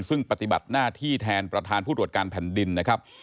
ซึ่งปฏิบัติหน้าที่แทนประธานผู้ตรวจการแผ่นดินนะครับ